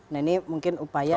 nah ini mungkin upaya